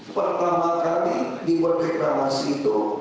pertama kali diperreklamasi itu